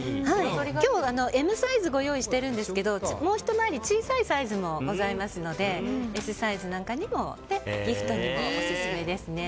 今日、Ｍサイズをご用意しているんですけどもうひと回り小さいサイズもございますのでＳサイズなどもあってギフトにもオススメです。